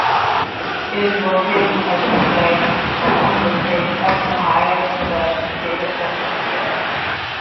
It is located in present-day Ratlam District of Madhya Pradesh state of central India.